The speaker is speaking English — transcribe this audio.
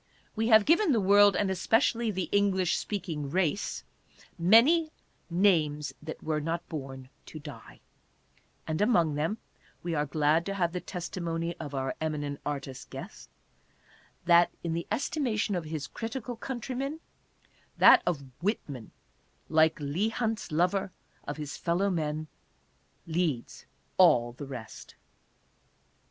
We have given the world, and especially the English speaking race, many " names that were not born to die," and among them, we are glad to have the testimony of our eminent artist guest, that, in the estimation of his critical countrymen, that of Whitman, like Leigh Hunt's lover of his fellow men, leads all the rest.